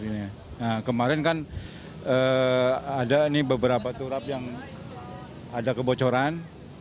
nah kemarin kan ada ini beberapa turap yang ada kebocoran